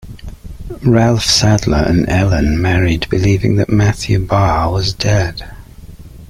Ralph Sadler and Ellen married believing that Matthew Barre was dead.